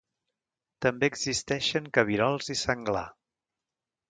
També existeixen cabirols i Senglar.